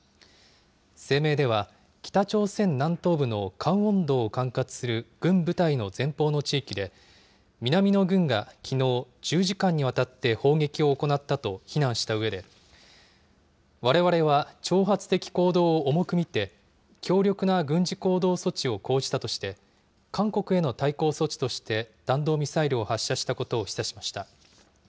声明では、北朝鮮南東部のカンウォン道を管轄する軍部隊の前方の地域で、南の軍がきのう、１０時間にわたって砲撃を行ったと非難したうえで、われわれは挑発的行動を重く見て、強力な軍事行動措置を講じたとして、韓国への対抗措置として弾道ミサイルを発射したことを示唆しました。